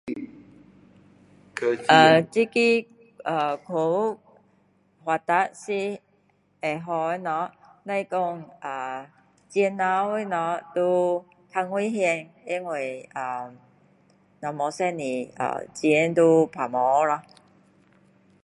呃这个科技发达是会好的东西只是说呃数额的事都比较危险因为呃若不小心呃钱就不见了咯